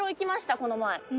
この前。